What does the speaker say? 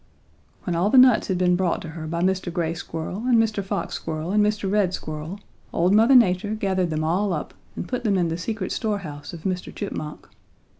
"When all the nuts had been brought to her by Mr. Gray Squirrel and Mr. Fox Squirrel and Mr. Red Squirrel, old Mother Nature gathered them all up and put them in the secret store house of Mr. Chipmunk.